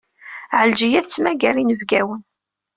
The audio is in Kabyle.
Ɛelǧiya tettmagar inebgawen.